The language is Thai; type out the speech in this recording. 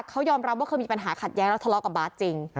เขายอมรับว่าเคยมีปัญหาขัดแย้งแล้วทะเลาะกับบาสจริง